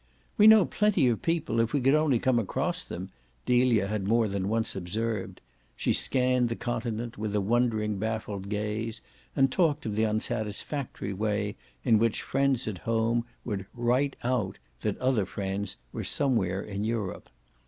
"We know plenty of people if we could only come across them," Delia had more than once observed: she scanned the Continent with a wondering baffled gaze and talked of the unsatisfactory way in which friends at home would "write out" that other friends were "somewhere in Europe."